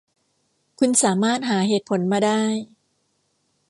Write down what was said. คุณสามารถหาเหตุผลมาได้